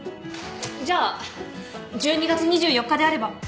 じゃあ１２月２４日であれば。